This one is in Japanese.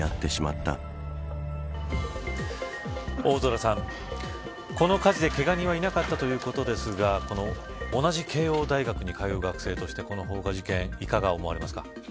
大空さんこの火事で、けが人はいなかったということですが同じ慶応大学に通う学生としてこの放火事件いかが思われますか。